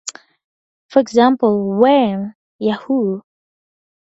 For example, when Yahoo!